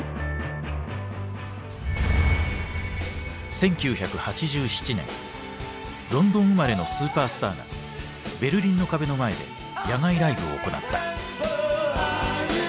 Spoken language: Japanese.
１９８７年ロンドン生まれのスーパースターがベルリンの壁の前で野外ライブを行った。